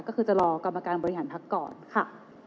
ก็คือจะรอกรรมการบริหารพักก่อนค่ะ